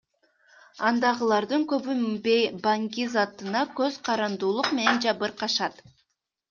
Андагылардын көбү баңгизатына көз карандуулук менен жабыркашат.